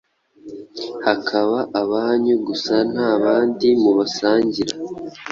bakaba abanyu gusa nta bandi mubasangira.